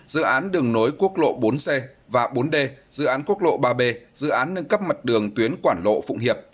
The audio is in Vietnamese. dự án đường nối quốc lộ bốn c và bốn d dự án quốc lộ ba b dự án nâng cấp mật đường tuyến quảng lộ phụng hiệp